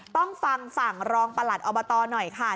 ต้องฟังฝั่งรองประหลัดอบตหน่อยค่ะ